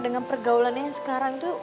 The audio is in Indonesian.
dengan pergaulannya yang sekarang tuh